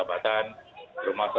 itu akan fully dedicated untuk covid